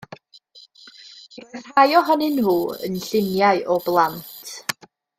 Roedd rhai ohonyn nhw yn lluniau o blant.